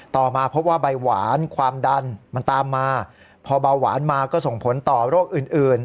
ต่อมาพบว่าใบหวานความดันมันตามมาพอเบาหวานมาก็ส่งผลต่อโรคอื่น